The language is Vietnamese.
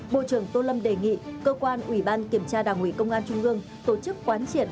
bộ trưởng tô lâm đề nghị cơ quan ủy ban kiểm tra đảng ủy công an trung ương tổ chức quán triệt